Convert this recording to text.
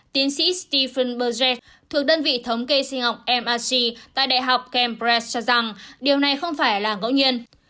tiến sĩ stephen berje thuộc đơn vị thống kê sinh học mrc tại đại học camprad cho rằng điều này không phải là ngẫu nhiên